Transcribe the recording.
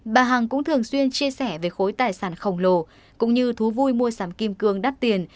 bà hằng cũng thường xuyên chia sẻ về khối tài sản khổng lồ cũng như thú vui mua sắm kim cương đắt tiền